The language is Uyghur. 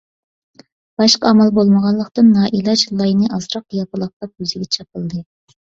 باشقا ئامال بولمىغانلىقتىن، نائىلاج لاينى ئازراق ياپىلاقلاپ يۈزىگە چاپلىدى.